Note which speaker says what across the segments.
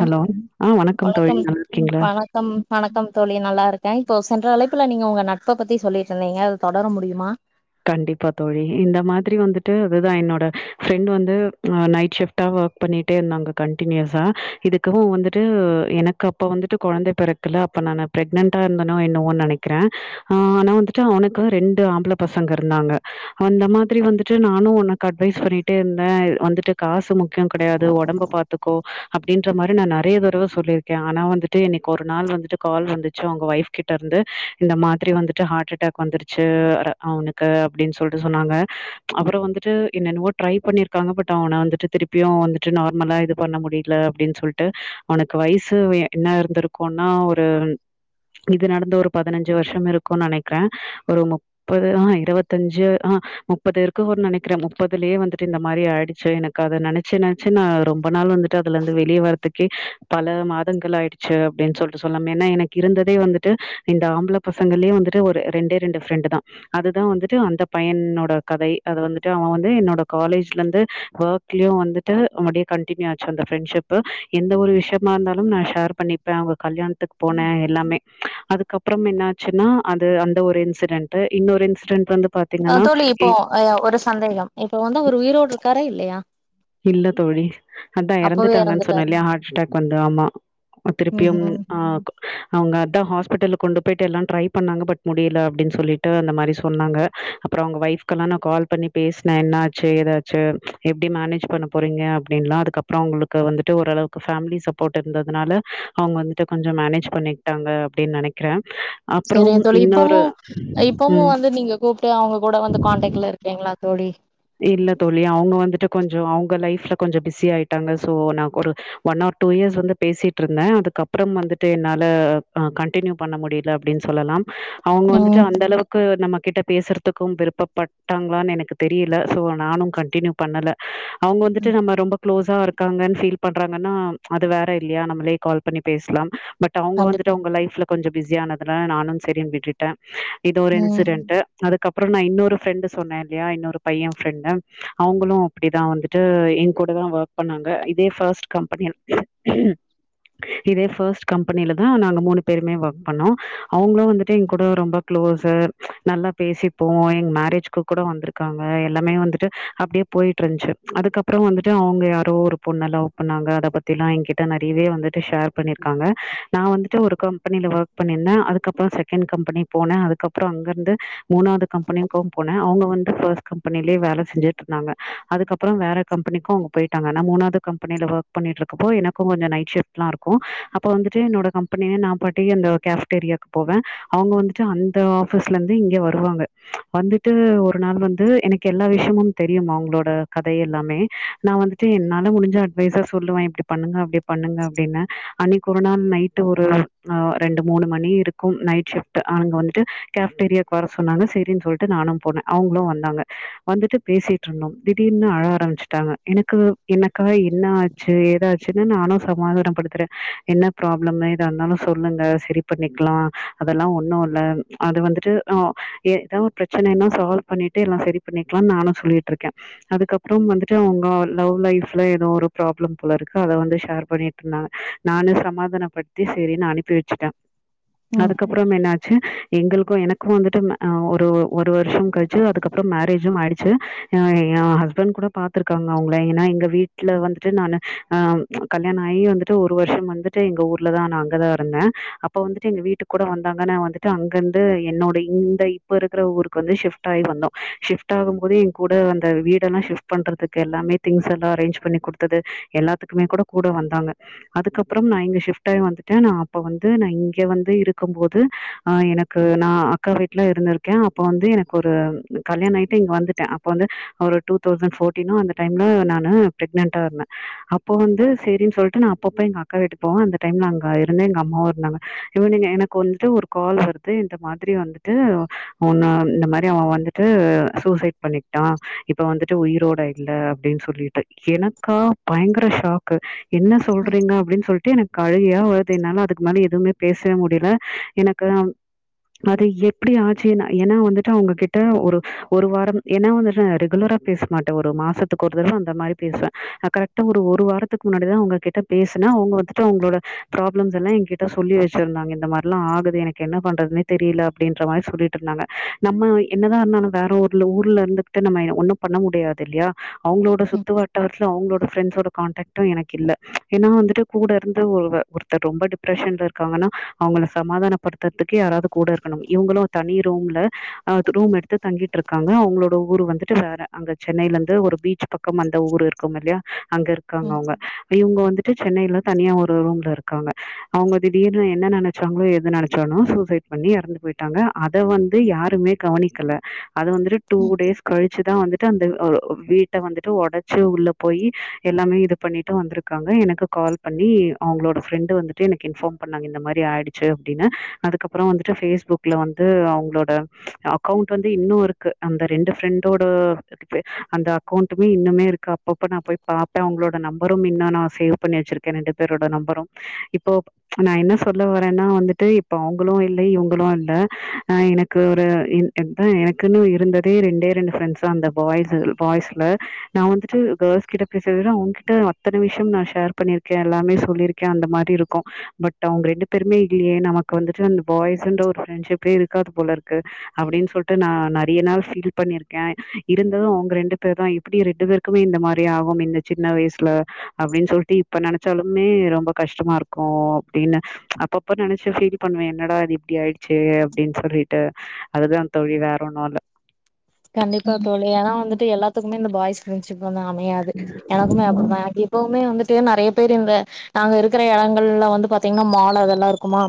Speaker 1: hello ஆ வணக்கம் தோழி நல்லா இருக்கீங்ளா
Speaker 2: ம் வணக்கம் தோழி நல்லாருக்கேன் இப்போ சென்ற அழைப்புல நீங்க உங்க நட்ப பத்தி சொல்லிட்டு இருந்தீங்க அத தொடர முடிமா
Speaker 1: கண்டிப்பா தோழி இந்த மாதிரி வந்துட்டு அதுதான் என்னோட ஃப்ரெண்ட் வந்து நைட் ஷிப்ட் டா ஒர்க் பண்ணிட்டே இருந்தாங்க கண்டினியுஸா இதுக்குனு வந்துட்டு எனக்கு அப்ப வந்துட்டு கொழந்த பிற கல அப்ப நா ப்ரக்னன்ட்டா இருந்தேனா என்னவோ நெனக்கிறேன் நா வந்துட்டு அவனுக்கு ரெண்டு ஆம்பல பசங்க இருந்தாங்க அந்த மாதிரி வந்துட்டு நானும் உனக்கு அட்வைஸ் பண்ணிட்டே இருந்தேன் வந்துட்டு காசு முக்கியம் கெடயாது உடம்ப பாத்து த்துக்கோ அப்டின்ற மாரி நா நெறய தடவ சொல்லியிருக்கேன் ஆனா வந்துட்டு இன்னிக்கு ஒரு நாள் வந்துட்டு கால் வந்துச்சு உங்க வைஃப் கிட்டருந்து இந்த மாதிரி வந்துட்டு ஹார்ட் அட்டாக் வந்துருச்சு அவனுக்கு அப்டின்னு சொல்லிட்டு சொன்னாங்க அப்றோ வந்துட்டு என்னென்னவோ ட்ரை பண்ணியிருக்காங்க பட் அவன வந்துட்டு திருப்பி பியும் வந்துட்டு நார்மலா இது பண்ண முடில அப்டின்னு சொல்லிட்டு அவனக்கு வயசு என்ன இருந்திருக்கும் னா ஒரு இது நடந்து ஒரு பதினஞ்சு வருஷோ இருக்கும்னு நெனக்கிறேன் ஒரு முப்பது ஆ இருவத்தஞ்சு ஆ முப்பது இருக்குன் நெனைக்கிறே முப்பதுலயே வந்துட்டு இந்த மாரி ஆய்டுச்சு எனக்கு அத நெனச்சு நெ ச்சு நா ரொம்ப நாள் வந்துட்டு அதுல இருந்து வெளிய வரத்துக்கே பல மாதங்கள் ஆய்டுச்சு அப்டின் சொல்ட்டு சொல்லாம் எனா எனக் இருந்ததே வந்துட்டு இந்த ஆம்பல பசங்கள்லயே வந்துட்டு ஒரு ரெண்டே ரெண்டு ஃப்ரெண்டுதா அதுதா வந்துட்டு அந்த பையனோட கதை அது வந்துட்டு அவ வந்து என்னோட காலேஜ்ல இருந்து ஒர்க் லியு வந்துட்டு அப்டியே கண்டினியூ ஆச்சு அந்த ஃப்ரெண்ஷிப்பு எந்த ஒரு விஷயமா இருந்தாலு நா ஷேர் பண்ணிப் ப்ப அவுங்க கல்யாணத்துக் போனே எல்லாமே அதுக்கப்பறம் என்னாச்சுன்னா அது அந்த ஒரு இன்சிடென்ட் டு இன்னொரு இன்சிடெட் வந்து பாத்
Speaker 2: ஆ தோழி இப்போ ஆ ஒரு சந்தேகம் இப்போ வந்து அவரு உயிரோடு இருக்காரா இல்லியா
Speaker 1: இல்ல தோழி அதா எறந்துட்டாங்கன் சொன்ன
Speaker 2: எறந்துட்டாரு
Speaker 1: இல்லியா ஹார்ட் அட்டாக் வந்து ஆமா ஒ
Speaker 2: ம்
Speaker 1: திருப்பியும்
Speaker 2: ம்
Speaker 1: ஆ அவுங்க அத்தா ஹாஸ்பிடிட்டல்ல கொண்டு போய்ட்டு எல்லா ட்ரை பண்ணாங்க பட் முடில அப்டின் சொல்லிட்டு அந்த மாரி சொன்னாங்க அப்பறோ அவுங்க ஃவைப்கல்லா நா கால் பண்ணி பேசுனே என்ன ஆச்சு ஏதாச்சு எப்டி மேனேஜ் பண்ண போறீங்க அப்டின்லா அதுக்கப்பறோ அவுங்களுக்கு வந்துட்டு ஓரளவுக்கு ஃபமிலி சப்போட் இருந்ததுனால அவுங்க வந்துட்டு கொஞ்சோ மேனேஜ் பண்ணிக்கிட்டாங்க அப்டின் நெனைக்கிறே
Speaker 2: சேரிங்க
Speaker 1: அப்புறம்
Speaker 2: தோழி இப்பமு
Speaker 1: இன்னொரு
Speaker 2: இப்பமு
Speaker 1: ம்
Speaker 2: வந்து நீங்க கூப்ட்டு அவுங்ககூட வந்து காண்டக்ட்ல இருக் கீங்ளா தோழி
Speaker 1: இல்ல தோழி அவுங்க வந்துட்டு கொஞ்சோ அவுங்க லைஃப்ல கொஞ்சோ பிஸி ஆய்ட்டாங்க சோ நா ஒரு ஒன் ஆர் டூ இயர்ஸ் வந்து பேசிட்ருந்தே அதுக்கப்பறம் வந்துட்டு என்னால அ கண்டினியூ பண்ண முடில அப்டின் சொல்லலாம் அவுங்க
Speaker 2: ம்
Speaker 1: வந்துட்டு அந்த அளவுக்கு நம்மகிட்ட பேசுறதுக்கும் விருப்பப்பட்டாங்களான் எனக்கு தெரி ல சோ நானும் கண்டினியூ பண்ணல அவுங்க வந்துட்டு
Speaker 2: ம்
Speaker 1: நம்ம ரொம்ப க்ளோஸா இருக் காங்கன் ஃபீல் பண்றாங்கன்னா அது வேற இல்லியா நம்மளே கால் பண்ணி பேசலாம் பட் ட அவுங்க வந்துட்டு
Speaker 2: கண்டிப்பா
Speaker 1: அவுங்க லைஃப்ல கொஞ்சோ பிஸியானதுல நானும் செரின் விட்டுட்டே இது ஒரு
Speaker 2: ம்
Speaker 1: இன்சிடென்ட்டு அதுக்கப்புறோ நா இன்னொரு ஃப்ரெண்டு சொன்னே இல்லையா இன்னொரு பைய ஃப்ரெண்டு அவுங்களு அப்டிதா வந்துட்டு எ கூடதா ஒர்க் பண்ணாங்க இதே ஃபஸ்ட் கம்பெனில் இதே ஃபஸ்ட் கம்பெனிலதா நாங்க மூணு பேருமே ஒர்க் பண்ணோ அவுங்களு வந்துட்டு எங்க கூட ரொம்ப க்ளோஸ்சர் நல்லா பேசிப்போ எங் மேரேஜ்க்கு கூட வந்துருக்க காங்க எல்லாமே வந்துட்டு அப்டியே போய்ட்டு இருந்துச்சு அதுக்கப்புறோ வந்துட்டு அவுங்க யாரோ ஒரு பொண்ண லவ் பண்ணாங்க அத பத் திலா எங்கிட்ட நறையவே வந்துட்டு ஷேர் பண்ணிருக்காங்க நா வந்துட்டு ஒரு கம் பெனில ஒர்க் பண்ணிருந்த அதுக்கப்புறோ செகேண்ட் கம்பெனி போன அதுக்கப்புறோ அங்க இருந்து மூணாவது கம்பெனிக்கு போன அவுங்க வந்ட்டு ஃபஸ்ட்டு கம்பெனிலயே வேல செஞ்சு நாங்க அதுக்கப்புறோ வேற கம்பெனிக்கும் அவுங்க போய்ட்டாங்க நா மூணாவது கம்பெனில ஒர்க் பண்ணிட்ருக்கப்போ எனக்கு கொஞ்சோ நைட் சிஃப்ட் லா இருக்கு அப்ப வந்துட்டு என்னோட கம் பெனி நா பாட்டுக்கு அந்த கேஃப்டேரியாவுக்கு போவே அவுங்க வந்துட்டு அந்த ஆஃபீஸ்ல இருந்து இங்க வருவாங்க வந்துட்டு ஒரு இப்ப நா வந்து எனக்கு எல்லா விஷயமும் தெரியும் அவுங்களோட கதை எல்லாமே நா வந்துட் டு என்னால முடிஞ்ச அட்வைஸ சொல்லுவே இப்டி பண்ணுங்க அப்டி பண்ணுங்க அப்டின்னு அன்னிக்கு ஒரு நாள் நைட் ஒரு ஆ ரெண்டு மூணு மணி இருக்கு நைட் ஷிஃப்ட் அவுங்க வந்துட்டு கேஃப்டேரியாவுக்கு வர சொன்னாங்க செரின் சொல்ட்டு நானு போனே அவுங்களு வந்தாங்க வந்துட்டு பேசிட்டு இருந்தோ திடீர்னு அழ ஆரம்பிச்சுட்டாங்க எனக்கு எனக்கா என்ன ஆச்சு ஏதாச்சுன்னு நானு சமாதான படுத்துறே என்ன ப்ராப்ளம் ஏதோ இருந்தாலு சொல்லுங்க சரி பண்ணிக்கலா அதெல்லா ஒன்னு இல்ல அது வந்துட்டு அ ஏதோ ப்ரச்சனைனா சால்வ் பண்ணிட்டு எல்லா செரி பண்ணிக்கலான் நானு சொல்லிட்ருக்கே அதுக்கப்புறம் வந்துட்டு அவுங்க லவ் லைப்ல எதோ ஒரு ப்ராப்ளம் போல இருக்கு அத வந்து ஷேர் பண்ணி இருந்தாங்க நானு சமாதானப்படுத்தி செரின்னு அனுப்பி வெச்சுட்டே
Speaker 2: ம்
Speaker 1: அதுக்கப்புறம் என்னாச்சு எங்களுக்கு எனக்கு வந்துட்டு அ ஒரு ஒரு வருஷோ கழி ச்சு அதுக்கப்புறம் மேரேஜும் ஆயிடுச்சு அ ஏ ஹஸ்பண்ட் கூட பாத்துருக்காங்க அவுங்கள ஏனா எங்க வீட் ல வந்துட்டு நானு ஆ கல்யாண ஆகி வந்துட்டு ஒரு வருஷம் வந்துட்டு எங்க ஊர்லதா நா அங்கதா இருந்த இப்ப வந்துட்டு எங்க வீட்டுக் கூட வந்தாங்கன்னா வந்துட்டு அங்கருந்து என்னோட இந்த இப்ப இருக்கற ஊருக்கு வந்து ஷிஃப்ட் டாய் வந்தோ ஷிஃப்ட் ஆகும் போதே எ கூட அந்த வீடெல்லா ஷிஃப்ட் பண்றதுக்கு எல்லாமே திங்ஸ் எல்லா அரேஞ் பண்ணி குடுத் தது எல்லாத்துக்குமே கூட கூட வந்தாங்க அதுக்கப்புறம் நா இங்க ஷிஃப்ட் ஆயி வந்துட்ட நா அப்ப வந்து நா இங்க வந்து இருக்கும் போது ஆ எனக் கு நா அக்கா வீட்டல இருந்திருக்க அப்ப வந்து எனக்கு ஒரு கல்யாண ஆயிட்டு இங்க வந்துட்ட அப்ப வந்து ஒரு டூ தௌசண்ட் ஃபோர்டினோஅந்த டைம்ல நானு பிரக்னன்ட்டா இருந்த அப்போ வந்து சேரின் சொல்ட்டு நா அப்பப்ப எங்க அக்கா வீட்டு போவ அந்த டைம்ல அங்க இருந்து எங்க அம்மாவு இருந்தாங்க இவுங்க எனக்கு வந்துட்டு ஒரு கால் வருது இந்த மாதிரி வந்துட்டு ஒண்ண இந்த மாரி ஏ அவன் வந்துட்டு சூசைட் பண்ணிக்ட்டா இப்ப வந்துட்டு உயிரோட இல்ல அப்டின் சொல்லிட்டு எனக்கா பயங்கர ஷாக்கு என்ன
Speaker 2: ம்
Speaker 1: சொல்றீங்க அப்டின்னு சொல் ட்டு எனக்கு அழுகையா வருது என்னால அதுக்கு மேல எதுவுமே பேசவே முடில எனக்கு அது எப்படி ஆச்சுன்னா ஏனா வந்து ஃபஸ்ட்டே அவுங்க கிட்ட ஒரு ஒரு வாரம் ஏன்னா வந்து நா ரெகுலரா பேச மாட்ட ஒரு மாசத்துக்கு ஒரு தட அந்த மாரி பேசுவ அ கரெக்ட்டா ஒரு ஒரு வாரத்துக்கு முன்னாடிதா அவுங்க கிட்ட பேசனா அவுங்க வந்துட்டு அவுங்களோட ப்ராப்ளம்ஸ் எல்லா எ கிட் ட சொல்லி வச்சிருந்தாங்க இந்த மார்ல்லா ஆகுது எனக்கு என்ன பண்றதுன்னே தெரியல அப்டின்ற மாரி சொல்லிட்டு இருந்தாங்க நம்ம என்னதா இருந்தாலு வேற ஒர்ல ஊர்ல இருந்துகட்டு நம்ம ஒண்ணு பண்ண முடியாது இல்லையா அவுங்களோட
Speaker 2: ம் ம்
Speaker 1: சுத்து வட்டாரத்துல அவுங்களோட ஃப்ரெண்ட்ஸோட கான்டெக்ட் டு எனக்கு இல்ல ஏன்னா வந்துட்டு கூட இருந்து ஒரு ஒருத்தர் ரொம்ப டிப்ரஷன்ல இருக்காங்கன்னா அவுங்கள சமாதான படுத்தருதுக்கு யாராவது கூட இருக்கணும் இவுங்களு தனி ரூம்ல அ ரூம் எடுத்து தங்கிட்டு இருக்காங்க அவுங்களோட ஊர் வந்துட்டு வேற அங்க சென்னையில இருந்து ஒரு பீச் பக்கம் அந்த ஊரு இருக்கும் இல்லையா அங்க இருக்காங்க
Speaker 2: ம்
Speaker 1: அவுங்க இவுங்க வந்து ட்டு சென்னைல தனியா ஒரு ரூம்ல இருக்காங்க அவுங்க திடீர்னு என்ன நெனச்சாங்ளோ எது நெனச்சானோ சூசைட் பண்ணி எறந்து போயிட்டாங்க அத வந்து யாருமே கவனிக்கல அது வந்துட்டு டூ டேஸ் கழிச்சுதா வந்துட் டு அந்த வீட்ட வந்துட்டு ஒடச்சு உள்ள போயி எல்லாமே இது பண்ணிட்டு வந்திருக்காங்க எனக்கு கால் பண்ணி அவுங்களோட ஃப்ரெண்டு வந்துட்டு எனக்கு இன்ஃபார்ம் பண்ணாங்க இந்த மாரி ஆயிடுச்சு அப்டின்னு அதுக்கப்புறோ வந்துட்டு ஃபேஸ்புக் ல வந்து அவுங்களோட அக்கௌண்ட் வந்து இன்னு இருக்கு அந்த ரெண்டு ஃப்ரெண்டோட அந்த அக்கௌண்ட்மே இன்னமே இருக்கு அப்பப்ப நா போய் பாப்ப அவுங்களோட நம்பரு இன்னு நா சேவ் பண்ணி வச்சிருக்கே ரெண்டு பேரோட நம்பரு இப்போ நா என்ன சொல்ல வரனா வந்துட்டு இப்ப அவுங்களு இல்ல இவுங்களு இல்ல ஆ எனக் கு ஒரு ன் அதா எனக்குன்னு இருந்ததே ரெண்டே ரெண்டு ஃப்ரெண்ட்ஸ்தா அந்த பாய்ஸ் பாய்ஸ்ல நா வந்துட்டு கேர்ள்ஸ் கிட்ட பேசறத விட அவுங்ககிட்ட அத்தன விஷயம் நா ஷேர் பண்ணிருக்கே எல்லாமே சொல்லியிருக் கே அந்த மாரி இருக்கு பட் அவுங்க ரெண்டு பெருமே இல்லியே நமக்கு வந்துட்டு அந்த பாய்ஸ்ன்ற ஒரு ஃப்ரெண்ட்ஷிப்பே இருக்காது போல இருக்கு அப்டின்னு சொல்ட்டு நா நறைய நாள் ஃபீல் பண்ணிருக்கே இருந்தது அவுங்க ரெண்டு பேர் தா எப்டி ரெண்டு பேர் க்குமே இந்த மாரி ஆகும் இந்த சின்ன வயசுல அப்டின் சொல்ட்டு இப்ப நெனச்சாலுமே ரொம்ப கஷ்டமா இருக் கு அப்டின் அப்பப்ப நெனச்சு ஃபீல் பண்ணுவ என்னடா அது இப்டி ஆயிடுச்சே அப்டின் சொல்லி ட்டு அதுதா தோழி வேற ஒன்னு இல்ல
Speaker 2: கண்டிப்பா தோழி ஏனா வந்துட்டு எல்லாத்துக்குமே இந்த பாய்ஸ் ஃப்ரெண்ட்ஷிப் வந்து அமையாது எனக்குமே அப்படிதா எப்வுமே வந்துட்டு நறைய பேர் இந்த நாங்க இருக்குற எடங்கள்ல வந்து பாத்தீங்கன்னா மால் அதெல்லா இருக்குமா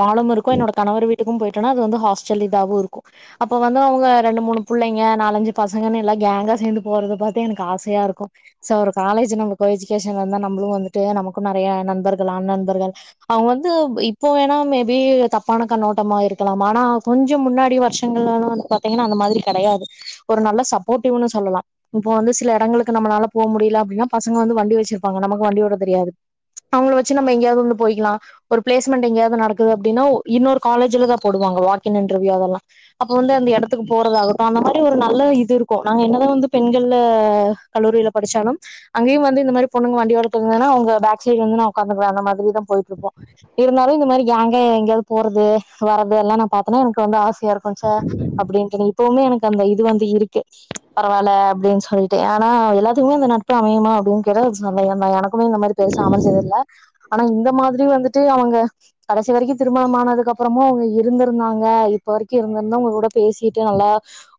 Speaker 2: மாலும் இருக்கு என்னோட கணவர் வீட்டுக்கும் போயிட்டனா அது வந்து ஹாஸ்டல் இதாவு இருக்கு அப்ப வந்து அவுங்க ரெண்டு மூணு புள்ளைங்க நாலஞ்சு பசங்கன்னு எல்லா கேங்கா சேந்து போறத பாத்த எனக்கு ஆசையா இருக்கு சோ ஒரு காலேஜ் நம்ம கோ எஜுகேஷன்ல இருந்தா நம்மளு வந்துட்டு நமக்கு நெறைய நண்பர்கள் ஆண் நண்பர்கள் அவங்க வந்து இப்போ வேணா மேபி தப்பான கண்ணோட்டமா இருக்கலா ஆனா கொஞ்சோ முன்னாடி வருஷ் பெண்கள்லா னா வந்து பாத்தீங்கன்னா அந்த மாதிரி கெடையாது ஒரு நல்ல சப்போடிவ்ன்னு சொல்லலா இப்போ வந்து சில எடங்களுக்கு நம்மளால போ முடில அப்டின்னா பசங்க வந்து வண்டி வச்சிருப்பாங்க நமக்கு வண்டி ஓட்ட தெரியாது அவங்கள வச்சு நம்ம எங்கயாவது வந்து போயிக்கலா ஒரு பிளேஸ்மென்ட் எங்கயாவது நடக்குது அப்டின்னா இன்னொரு காலேஜ்ல தா போடுவாங்க வாக் ன் இன்டர்வியூ அதெல்லா அப்ப வந்து அந்த எடத்துக்கு போறதாக அந்த மாரி ஒரு நல்ல இது இருக்கு நாங்க என்ன தா வந்து பெண்கள் கல்லூரில படிச்சாலு அங்கயு வந்து இந்த மாரி பொண்ணுங்க வண்டி ஓட்ட தெரிஞ்சாங்கன்னாங்க பேக் சைடு் வந்து நா உக்காந்துக்குவே அந்த மாரிதா போயிட்ருப்போ இருந்தாலு இந்த மாரி கேங்கா எங்கயாவது போறது வரது எல்லா நா பாத்தோனா எனக்கு வந்து ஆசையா இருக்கு போச்சா அப்டின்ட்டு இப்பவுமே எனக்கு அந்த இது வந்து இருக்கு பரவால்ல அப்டின் சொலிட்டு ஆனா எல்லாத்துக்குமே அந்த நட்பு அமையுமா அப்டின்கேட்டா சந்தேகந்தா எனக்குமே இந்த மாரி பெருசா அமைஞ்சது இல்ல ஆனா இந்த மாதிரி வந்துட்டு அவங்க கடைசி வரைக்கு திருமணோ ஆனதுக்கு அப்புறமு அவங்க இருந்திருந்தாங்க இப்ப வரைக்கு இருந்திருந்தாங்க அவங்க கூட பேசி நல்லா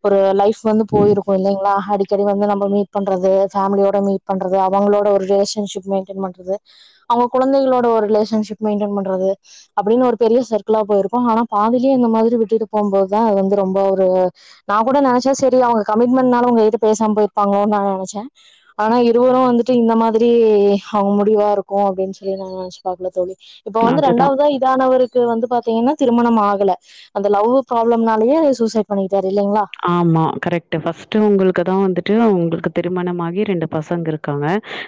Speaker 2: ஒரு லைஃப் வந்து போயிருக்கு இல்லைங்களா அடிக்கடி வந்து நம்ம மீட் பண்றது ஃபேமிலியோட மீட் பண்றது அவங்களோட ஒரு ரிலேஷன்ஷிப் மெயின்டென் பண்றது அவங்க குழந்தைகளோட ஒரு ரிலேஷன்ஷிப் மெயின்டென் பண்றது அப்டின் ஒரு பெரிய சர்க்களா போயிருக்கு ஆனா பாதிலயே இந்த மாதிரி விட்டு போம் போதுதா அது வந்து ரொம்போ ஒரு நா கூட நெனைச்சே செரி அவங்க கமிட்மெண்ட்னால உங்க கிட்ட இது பேசாம போயிருப்பாங்களோன்னு நா நெனச்சே ஆனா இருவரு வந்துட்டு இந்த மாதிரி அவங்க முடிவா இருக்கு அப்டின் சொல்லி நா நெனச்சே பாக்கல தோழி இப்ப
Speaker 1: இல்ல
Speaker 2: வந்து
Speaker 1: அதுதா
Speaker 2: ரெண்டாவ தா இதானவருக் வந்து பாத்தீங்கன்னா திருமணம் க்கு ஆகல அந்த லவ் ப்ராப்ளம்னாலயே சூசைட் பண்ணிக்கிட்டாரு இல்லலைங்களா
Speaker 1: ஆமா கரெக்டு ஃபர்ஸ்ட்டு உங்களுக்கு தா வந்துட்டு அவங்களுக்கு திருமணமாகி ரெண்டு பசங்க இருக்காங்க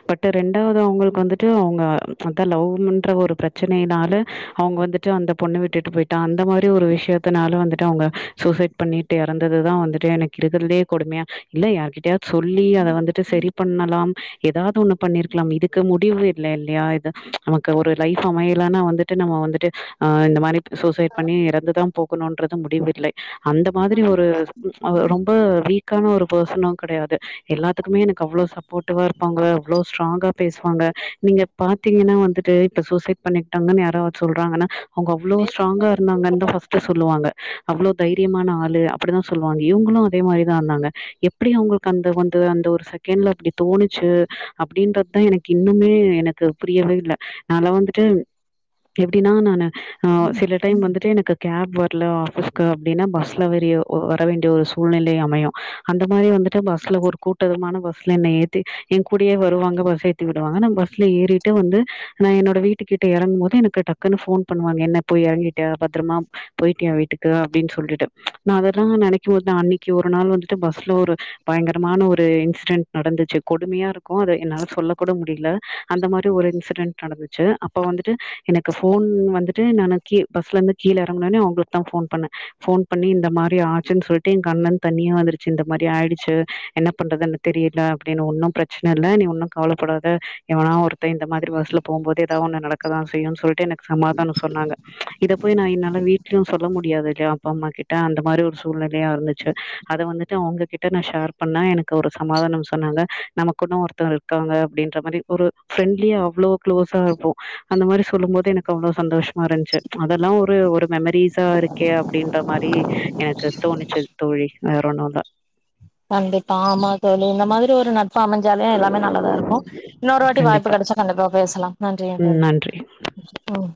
Speaker 1: பட் ரெண்டாவது அவங்களுக்கு வந்துட்டு அவங்க அதா லவ்ன்ற ஒரு பிரச்சனைையினால அவங்க வந்துட்டு அந்த பொண்ணு விட்டுட்டு போயிட்டா அந்த மாரி ஒரு விஷயத்தினால வந்துட்டு அவங்க சூசைட் பண்ணிட்டு எற வந்ததுதா வந்துட்டு எனக்கு இருக்கிறதே கொடுமையா இல்ல யார் கிட்டயாது சொல்லி அத வந்துட்டு செரி பண்ணலாம் ஏதாவது ஒண்ணு பண்ணிருக்கலா இதுக்கு முடிவு இல்ல இல்லயா இது நமக்கு ஒரு லைஃப் அமையலானா வந்து ட்டு நம்ம வந்துட்டு ஆ இந்த மாரி சூசைட் பண்ணி இறந்துதா போகணும்ன்றது முடிவுஇ ல்லை அந்த மாரி ஒரு அவ ரொம்ப வீக்கான ஒரு பர்சனு கெடையாது எல்லாத்துக்குமே எனக்கு அவ்ளோ சப்போட்டிவ இருப்பாங்க அவ்ளோ ஸ்ட்ராங்கா பேசுவாங்க நீங்க பாத்தீங்கன்னா வந்துட்டு இப்ப சூசைட் பண்ணிக்கிட்டாங்கன்னு யாராவது சொல்றாங்கன்னா அவங்க அவ்ளோ ஸ்ட்ராங்கா இருந்தாங்கன்னு தா ஃர்ஸ்ட் சொல்லுவாங்க அவ்ளோ தைரியமான ஆள்ளு அப்டித்தா சொல்லுவாங்க இவங்களு அதே மாரிதா இருந்தாங்க எப்டி அவங்களுக்கு அந்த வந்து அந்த ஒரு செகண்ட்ல அப்டி தோணுச்சு அப்டின்றது தா எனக்கு இன்னுமே எனக் புரியவே இல்ல நாளா வந்துட்டு எப்டின்னா நானு ஆ சில டைம் வந்துட்டு எனக்கு கேப் வரல ஆபீஸ்க்கு அப்டின்னா பஸ்ல வறியோ ஓ வர வேண்டிய ஒரு சூழ்நிலை அமையு அந்த மாரி வந்துட்டு பஸ்ல ஒரு கூட்டதமான பஸ்ல என்னை ஏத் என் கூடயே வருவாங்க பஸ் ஏத்தி விடுவாங்க நான பஸ்ல ஏறிட்டு வந்து நா என்னோட வீட்டு கிட்ட இறங்கும் போது எனக்கு டக் க்குன்னு போன் பண்ணுவாங்க என்ன போய் இறங்கிட்டியா பத்திரமா போயிட்டியா வீட்டுக்கு அப்டின்னு சொல்லிட்டு நா அதெல்லா நினைக்கும் போது நான அன்னைக்கு ஒரு நாள் வந்துட்டு பஸ்ல ஒரு பயங்கரமான ஒரு இன்சிடென்ட் நடந்துச்சு கொடுமையா இருக்கு அத என்னால சொல்ல கூட முடியல அந்த மாரி ஒரு இன்சிடென்ட் நடந்துச்சு அப்ப வந்துட்டு எனக்கு போன் வந்துட்டு நான கீ பஸ்ல இருந்து கீழே இறங்கன உன்னே அவங்களுக்கு ட்ட போன் பண்ணே போன் பண்ணி இந்தப் மாரி ஆச்சுன் சொல்ட்டு எ கண்ணுலர்ந்து தண்ணியா வந்துருச்சு இந்த மாரி ஆயிடுச்சு என்ன பண்றதுன்னு தெரியல அப்டின்னு ஒன்னும் ப்ரச்சன இல்ல நீ ஒன்னும் கவலப்படாத இவனா ஒருத்தே இந்த மாதிரி பஸ்ல போகும்போது எதா ஒன்னு நடக் க்காதா செய்யுன் சொல்ட்டு எனக் சமாதானோ சொன்னாங்க இத போய் நா என்னால வீட்லயு சொல்ல முடியாது இல்லயா அப்பா அம்மா கிட் ட்டா அந்த மாரி ஒரு சூழ்நெலையா இருந்துச்சு அத வந்துட்டு அவுங்ககிட்ட நா ஷேர் பண்ணா எனக்கு ஒரு சமாதானம் சொன்னாங்க நமக்குன்னு ஒருத்தவே இருக்காங்க அப்டின்ற மாரி ஒரு ஃப்ரெண்ட்லியா அவ்ளோ க்ளோசா இருப்போ அந்த மாரி சொல்லும் போது எனக்கு அவ்ளோ சந்தோஷமா இருந்துச்சு அதெல்லா ஒரு மெமரிஸ் ஸா இருக்கே அப்டின்ற மாரி எனக்கு தோணுச்சுது தோழி வேற ஒண்ணு இல்ல
Speaker 2: கண்டிப்பா ஆமா தோழி இந்த மாரி ஒரு நாள் ப்பா அமஞ்சாலே எல்லாமே நல்லதா இருக்கு இன்னொரு வாட்டி வாய்ப்பு
Speaker 1: கண்டிப்பா
Speaker 2: கெடைச்சா கண்டிப்பா பேசலாம் நன்றிங்க
Speaker 1: ம்
Speaker 2: தோழி
Speaker 1: நன்றி
Speaker 2: ஓ